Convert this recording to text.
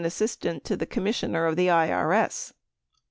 1003 Assistant to the Commissioner of the IRS.